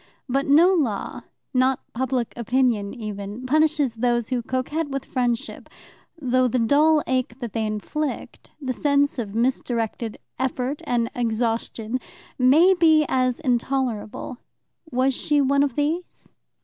But no law not public opinion even punishes those who coquette with friendship, though the dull ache that they inflict, the sense of misdirected effort and exhaustion, may be as intolerable. Was she one of these?